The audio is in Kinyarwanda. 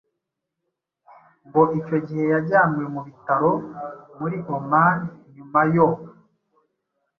Ngo icyo gihe yajyanwe mu Bitaro muri Oman nyuma yo